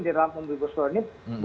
di dalam umbi buslo ini